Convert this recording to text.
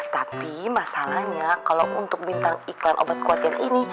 tapi masalahnya kalau untuk bintang iklan obat kuat yang ini